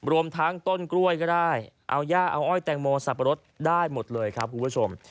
รวมทั้งต้นกล้วยก็ได้เอาย่าเอาอ้อยแตงโมสับปะรดได้หมดเลยครับคุณผู้ชม